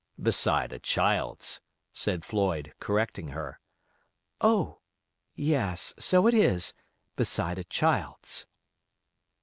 "Beside a child's," said Floyd, correcting her. "Oh! yes, so it is—'beside a child's.